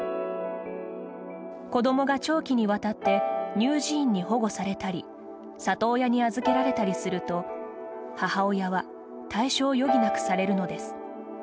子どもが長期にわたって乳児院に保護されたり里親に預けられたりすると母親は退所を余儀なくされるのです。